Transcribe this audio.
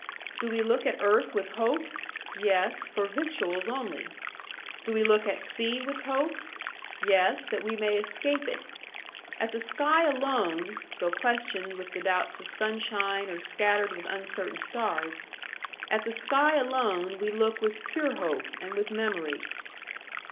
Do we look at earth with hope? Yes, for victuals only. Do we look at sea with hope? Yes, that we may escape it. At the sky alone (though questioned with the doubts of sunshine, or scattered with uncertain stars), at the sky alone we look with pure hope and with memory.